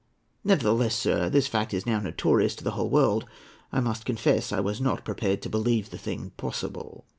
Nevertheless, sir, this fact is now notorious to the whole world. I must confess I was not prepared to believe the thing possible."